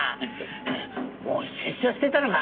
もう出所してたのか。